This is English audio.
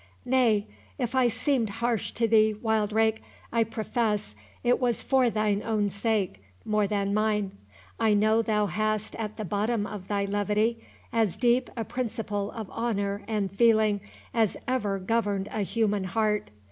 "Nay, if I seemed harsh to thee, Wildrake, I profess it was for thine own sake more than mine. I know thou hast at the bottom of thy levity, as deep a principle of honour and feeling as ever governed a human heart.